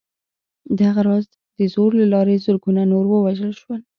دغه راز د زور له لارې زرګونه نور ووژل شول